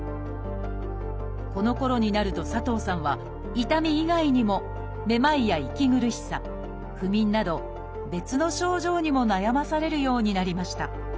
このころになると佐藤さんは痛み以外にもめまいや息苦しさ不眠など別の症状にも悩まされるようになりました。